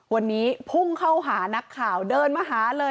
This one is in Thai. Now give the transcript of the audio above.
วันนี้พุ่งเข้าหานักข่าวเดินมาหาเลย